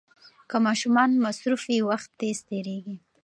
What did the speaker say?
که ماشومان مصروف وي، وخت تېز تېریږي.